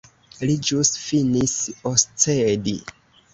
Li ĵus finis oscedi.